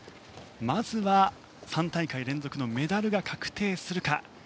まずは３大会連続のメダルが確定するか。